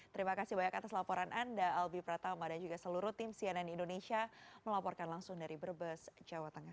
terima kasih banyak atas laporan anda albi pratama dan juga seluruh tim cnn indonesia melaporkan langsung dari brebes jawa tengah